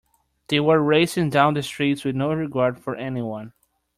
They were racing down the streets with no regard for anyone.